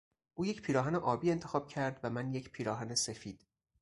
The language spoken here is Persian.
او یک پیراهن آبی انتخاب کرد و من یک پیراهن سفید.